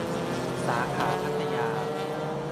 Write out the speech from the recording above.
สาขาพัทยา